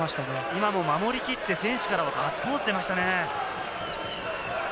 今も、守り切って選手からガッツポーズ出ましたね。